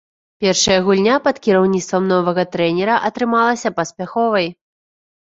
Першая гульня пад кіраўніцтвам новага трэнера атрымалася паспяховай.